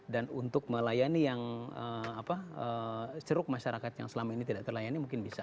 dan untuk melayani yang apa ceruk masyarakat yang selama ini tidak terlayani mungkin bisa